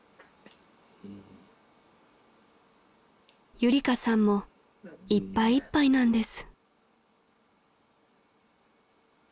［ゆりかさんもいっぱいいっぱいなんです］